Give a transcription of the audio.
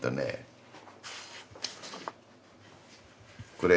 これ